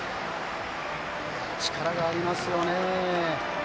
力がありますよね。